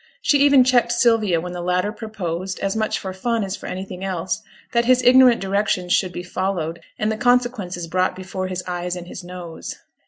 She even checked Sylvia when the latter proposed, as much for fun as for anything else, that his ignorant directions should be followed, and the consequences brought before his eyes and his nose.